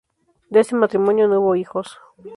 De este matrimonio no hubo hijos.